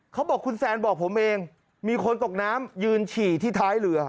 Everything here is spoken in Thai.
เขาบอกคุณแซนบอกผมเองมีคนตกน้ำยืนฉี่ที่ท้ายเรือ